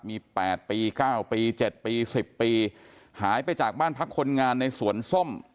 มี๘ปี๙ปี๗ปี๑๐ปีหายไปจากบ้านพักคนงานในสวนส้ม